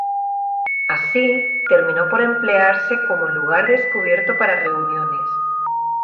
Así, terminó por emplearse como lugar descubierto para reuniones.